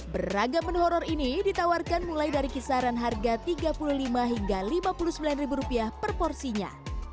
beragam menu horror ini ditawarkan mulai dari kisaran harga rp tiga puluh lima hingga rp lima puluh sembilan per porsinya